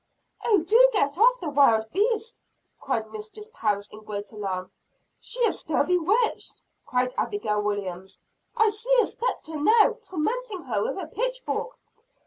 "Oh, do get off of the wild beast," cried Mistress Parris, in great alarm. "She is still bewitched," cried Abigail Williams. "I see a spectre now, tormenting her with a pitchfork."